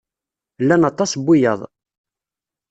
Llan aṭas n wiyaḍ.